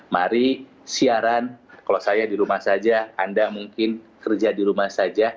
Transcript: mari siaran kalau saya di rumah saja anda mungkin kerja di rumah saja